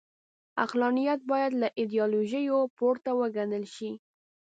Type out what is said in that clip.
عقلانیت باید له ایډیالوژیو پورته وګڼل شي.